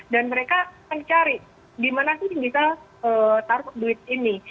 dan mereka mencari di mana sih bisa taruh duit ini